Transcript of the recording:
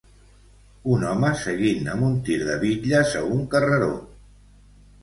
Un home seguint amb un tir de bitlles a un carreró.